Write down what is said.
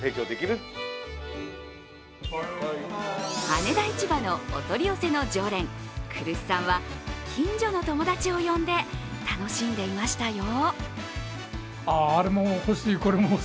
羽田市場のお取り寄せの常連、来栖さんは近所の友達を呼んで楽しんでいましたよ。